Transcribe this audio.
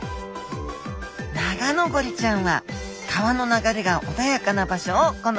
ナガノゴリちゃんは川の流れが穏やかな場所を好みます